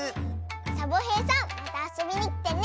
サボへいさんまたあそびにきてね！